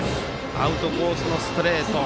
アウトコースのストレート。